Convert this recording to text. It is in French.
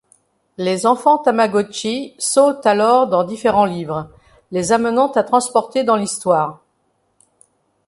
Les enfants Tamagotchis sautent alors dans différents livres, les amenant à transporter dans l'histoire.